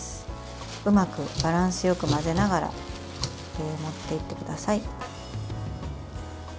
うまくバランスよく混ぜながら盛っていってください。